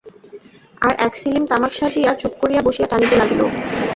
আর এক ছিলিম তামাক সাজিয়া চুপ করিয়া বসিয়া টানিতে লাগিল।